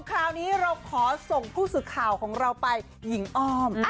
คราวนี้เราขอส่งผู้สื่อข่าวของเราไปหญิงอ้อม